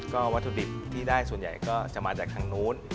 ก็วัตถุดิบที่ได้ส่วนใหญ่ก็จะมาจากทางนู้น